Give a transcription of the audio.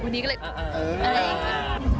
พอนี้ก็เลยอะไรอีก